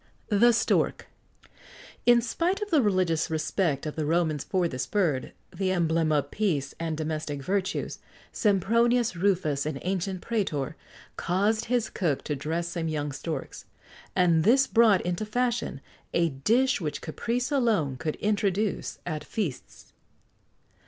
THE STORK. In spite of the religious respect of the Romans for this bird, the emblem of peace[XX 81] and domestic virtues, Sempronius Rufus, an ancient prætor, caused his cook to dress some young storks; and this brought into fashion[XX 82] a dish which caprice alone could introduce at feasts.